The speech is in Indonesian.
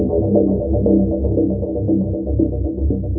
mantu jokowi akan maju bupati sleman pak ranggapannya pak